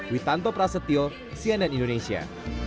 witanto prasetyo cnn indonesia